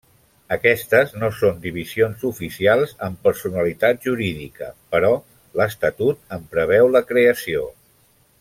Aquestes no són divisions oficials amb personalitat jurídica, però l'Estatut en preveu la creació.